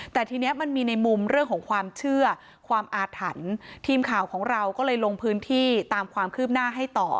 แต่ทีนี้มันมีในมุมเรื่องของความเชื่อความอาถรรพ์ทีมข่าวของเราก็เลยลงพื้นที่ตามความคืบหน้าให้ต่อ